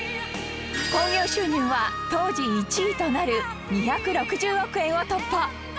興行収入は当時１位となる２６０億円を突破